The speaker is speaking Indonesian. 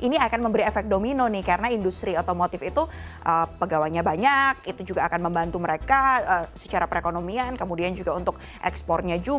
ini akan memberi efek domino nih karena industri otomotif itu pegawainya banyak itu juga akan membantu mereka secara perekonomian kemudian juga untuk ekspornya juga